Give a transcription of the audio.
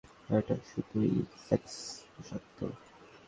এটা শুধুই সেক্স, প্রশান্ত।